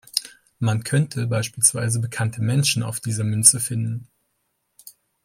Man könnte beispielsweise bekannte Menschen auf dieser Münze finden.